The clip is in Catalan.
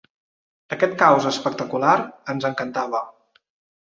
Aquest caos espectacular ens encantava.